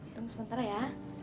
tunggu sebentar ya